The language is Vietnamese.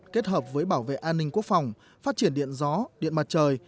kết hợp với bảo vệ an ninh quốc phòng phát triển điện gió điện mặt trời